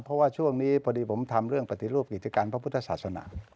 เพราะว่าช่วงนี้พอดีผมทำเรื่องปฏิรูปกิจการพระพุทธศาสนา